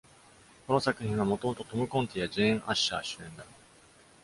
この作品は元々トム・コンティやジェーン・アッシャー主演だ。